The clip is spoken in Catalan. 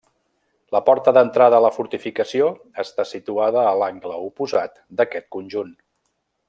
La porta d'entrada a la fortificació està situada a l'angle oposat d'aquest conjunt.